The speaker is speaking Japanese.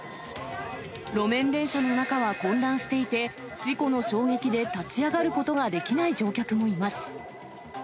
路面電車の中は混乱していて、事故の衝撃で、立ち上がることができない乗客もいます。